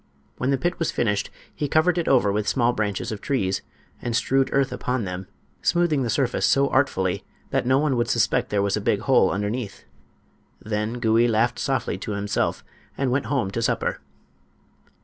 When the pit was finished he covered it over with small branches of trees, and strewed earth upon them, smoothing the surface so artfully that no one would suspect there was a big hole underneath. Then Gouie laughed softly to himself and went home to supper.